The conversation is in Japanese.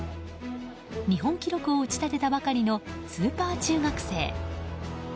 日本記録を打ち立てたばかりのスーパー中学生。